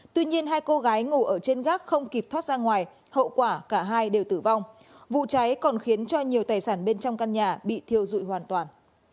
tuy nhiên hai cô gái ngồi ở trên gác không kịp thoát ra ngoài hậu quả cả hai đều tử vong vụ cháy còn khiến cho nhiều tài sản bên trong căn nhà bị thiêu dụi hoàn toàn